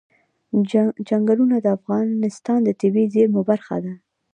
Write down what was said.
چنګلونه د افغانستان د طبیعي زیرمو برخه ده.